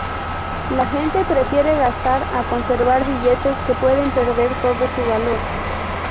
La gente prefiere gastar a conservar billetes que pueden perder todo su valor.